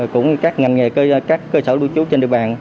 cũng các ngành nghề các cơ sở lưu trú trên địa bàn